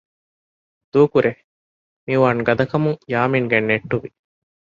ދޫކުރޭ! މިއުވާން ގަދަކަމުން ޔާމިންގެ އަތް ނެއްޓުވި